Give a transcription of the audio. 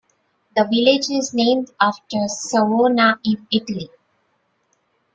The village is named after Savona in Italy.